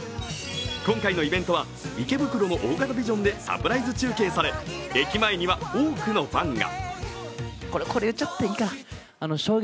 今回のイベントは池袋の大型ビジョンでサプライズ中継され、駅前には多くのファンが。